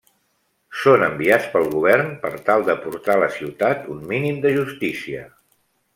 Són enviats pel govern per tal d'aportar a la ciutat un mínim de justícia.